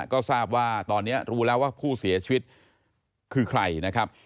ก็ทราบว่าตอนนี้รู้แล้วว่าผู้เสียชีวิตคือใครนะครับ